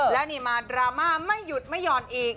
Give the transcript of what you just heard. โดดราม่าของเราไม่หยุดแล้วก็โดดอย่าหย่อน